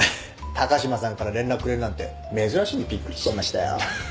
高島さんから連絡くれるなんて珍しいんでびっくりしちゃいましたよ。